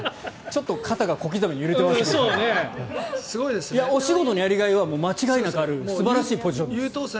ちょっと肩が小刻みに揺れてましたけどお仕事のやりがいは間違いなくある素晴らしいポジションです。